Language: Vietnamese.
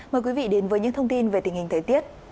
mời quý vị đến với những thông tin về tình hình thời tiết